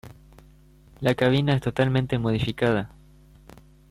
La cabina es totalmente modificada.